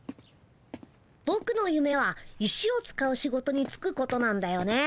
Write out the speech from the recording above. ぼくのゆめは石を使う仕事につくことなんだよね。